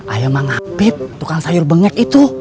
ayo mengapip tukang sayur bengek itu